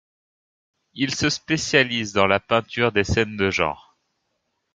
Il se spécialise dans la peinture de scènes de genre.